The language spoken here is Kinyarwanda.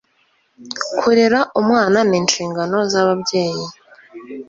kurera umwana n'inshingano z'ababyayi